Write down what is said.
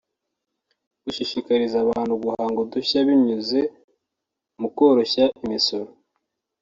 gushishikariza abantu guhanga udushya binyuze mu koroshya imisoro